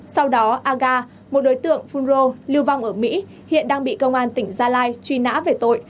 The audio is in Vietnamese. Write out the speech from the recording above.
sau đó aga một đối tượng phun rô lưu vong ở mỹ hiện đang bị công an tỉnh gia lai truy nã về tội